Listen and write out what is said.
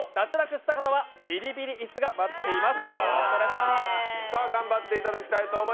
脱落した方はビリビリ椅子が待っています。